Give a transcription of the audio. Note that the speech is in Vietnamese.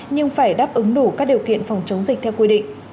nhưng phải đáp ứng đủ các điều kiện phòng chống dịch theo quy định